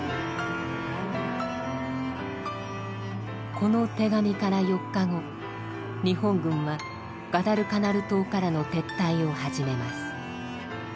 この手紙から４日後日本軍はガダルカナル島からの撤退を始めます。